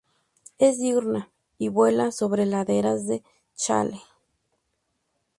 Es diurna y vuela sobre laderas de "shale".